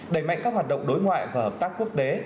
đẩy mạnh các hoạt động đối ngoại và hợp tác quốc tế